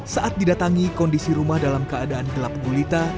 saat didatangi kondisi rumah dalam keadaan gelap gulita